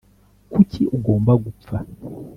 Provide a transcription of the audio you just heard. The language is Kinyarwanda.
kuki ugomba gupfa?